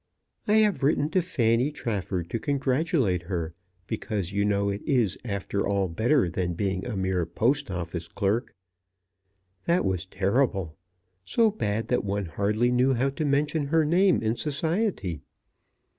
I have written to Fanny Trafford to congratulate her; because you know it is after all better than being a mere Post Office clerk. That was terrible; so bad that one hardly knew how to mention her name in society!